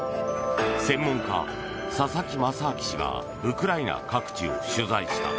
専門家・佐々木正明氏がウクライナ各地を取材した。